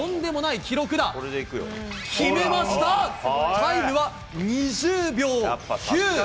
タイムは２０秒９。